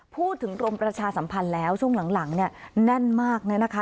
กรมประชาสัมพันธ์แล้วช่วงหลังเนี่ยแน่นมากเลยนะคะ